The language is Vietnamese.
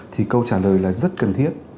thì câu trả lời là rất cần thiết